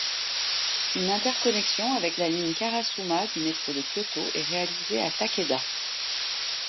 Une interconnexion avec la ligne Karasuma du métro de Kyoto est réalisée à Takeda.